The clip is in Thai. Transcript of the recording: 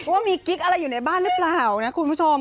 ว่ามีกิ๊กอะไรอยู่ในบ้านหรือเปล่านะคุณผู้ชม